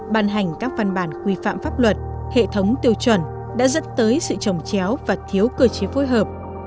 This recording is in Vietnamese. ban hành các văn bản quy phạm pháp luật hệ thống tiêu chuẩn đã dẫn tới sự trồng chéo và thiếu cơ chế phối hợp